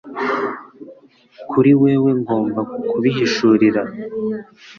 kuri wewe ngomba kubihishurira